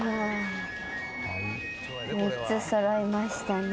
３つ揃いましたね。